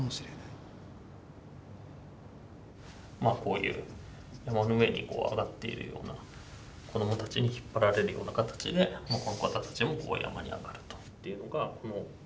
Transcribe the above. まあこういう山の上に上がっているような子どもたちに引っ張られるような形でこの方たちも山に上がると。